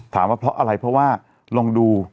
ว่าเพราะอะไรเพราะว่าลองดู